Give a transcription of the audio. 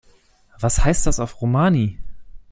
Was heißt das auf Romani?